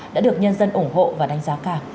đã được nhân dân ủng hộ và đánh giá cao